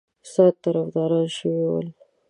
سخت طرفداران شوي ول.